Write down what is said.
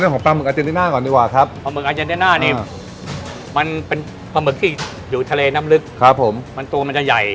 ของปลาหมึกอาเจนติน่าก่อนดีกว่าครับปลาหมึกอาเจนเดน่านี่มันเป็นปลาหมึกที่อยู่ทะเลน้ำลึกครับผมมันตัวมันจะใหญ่